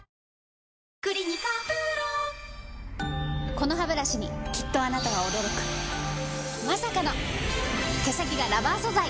このハブラシにきっとあなたは驚くまさかの毛先がラバー素材！